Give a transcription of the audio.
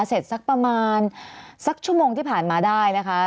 เสร็จสักประมาณสักชั่วโมงที่ผ่านมาได้นะคะ